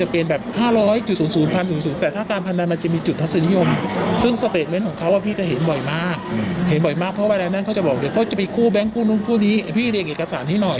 ผู้แบงค์หรือนุ่นคู่นี้พี่เล่นเอกสารให้หน่อย